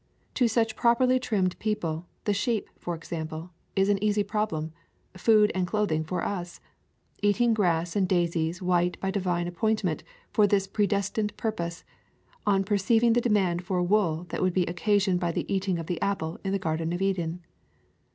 To such properly trimmed people, the sheep, for example, is an easy problem — food and clothing "for us," eating grass and daisies white by divine appoint ment for this predestined purpose, on perceiv ing the demand for wool that would be occa sioned by the eating of the apple in the Garden of Eden.